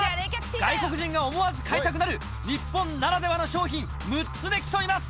外国人が思わず買いたくなる日本ならではの商品６つで競います。